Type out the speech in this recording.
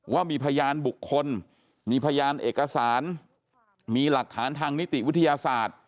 ว่ามีพยานบุคคลมีพยานเอกสารมีหลักฐานทางนิติวิทยาศาสตร์